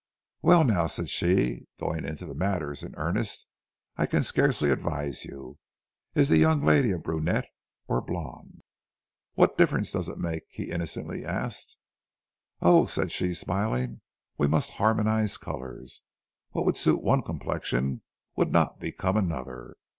"'Well, now,' said she, going into matters in earnest, 'I can scarcely advise you. Is the young lady a brunette or blonde?' "'What difference does that make?' he innocently asked. "'Oh,' said she, smiling, 'we must harmonize colors. What would suit one complexion would not become another.